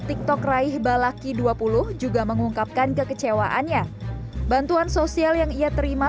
tiktok raih balaki dua puluh juga mengungkapkan kekecewaannya bantuan sosial yang ia terima